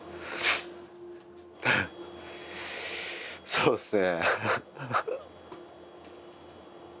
そうっすね。